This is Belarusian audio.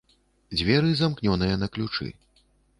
Дзверы, замкнёныя на ключы.